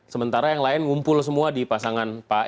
sementara yang lain ngumpul semua di pasangan pak